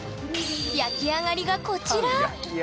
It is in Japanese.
焼き上がりがこちら！